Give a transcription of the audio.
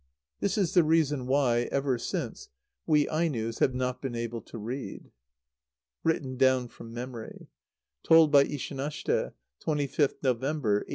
This is the reason why, ever since, we Ainos have not been able to read. (Written down from memory. Told by Ishanashte, 25th November, 1886.)